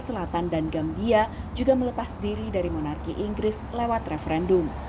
selandia juga melepas diri dari monarki inggris lewat referendum